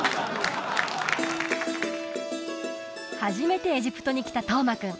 初めてエジプトに来た登眞君